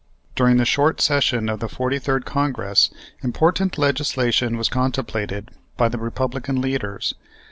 During the short session of the 43rd Congress, important legislation was contemplated by the Republican leaders.